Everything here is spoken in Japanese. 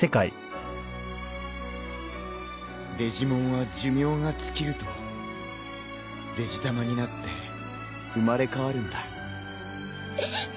デジモンは寿命が尽きるとデジタマになって生まれ変わるんだ。